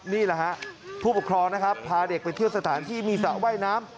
นี่แหละฮะผู้ปกครองนะครับพาเด็กไปเที่ยวสถานที่มีสระว่ายน้ำ